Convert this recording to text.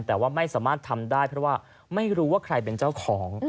แต่ว่าไม่สามารถทำได้เพราะว่าไม่รู้ว่าใครเป็นเจ้าของ